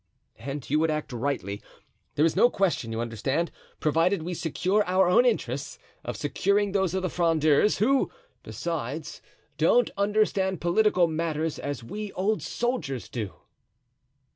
"And you would act rightly. There is no question, you understand, provided we secure our own interests, of securing those of the Frondeurs; who, besides, don't understand political matters as we old soldiers do."